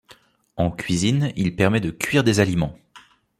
En cuisine, il permet de cuire des aliments.